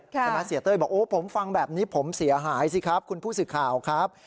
เสียเต้ยบอกโอ้ผมฟังแบบนี้ผมเสียหายสิครับคุณผู้สื่อข่าวครับ